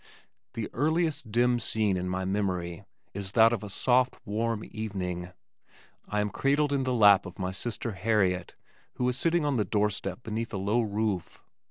The earliest dim scene in my memory is that of a soft warm evening. I am cradled in the lap of my sister Harriet who is sitting on the door step beneath a low roof.